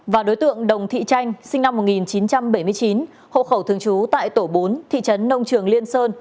và đối tượng đồng thị chanh sinh năm một nghìn chín trăm bảy mươi chín hộ khẩu thường trú tại tổ bốn thị trấn nông trường liên sơn